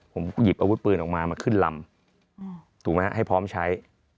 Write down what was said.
ผมหยิบอาวุธปืนออกมามาขึ้นลำถูกไหมให้พร้อมใช้